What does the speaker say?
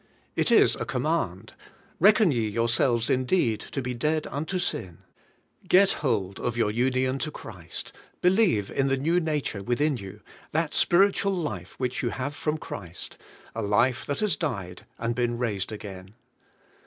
It is a command: "Reckon ye yourselves indeed to be dead unto sin." Get hold of your union to Christ; believe in the new nature within 3'ou, that spiritual life which you have from Christ, a life that has died and been raised again.